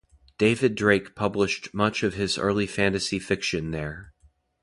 David Drake published much of his early fantasy fiction there.